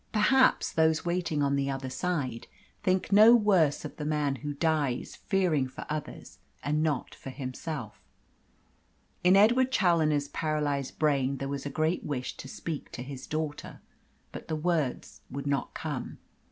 Perhaps those waiting on the other side think no worse of the man who dies fearing for others and not for himself. In Edward Challoner's paralysed brain there was a great wish to speak to his daughter, but the words would not come.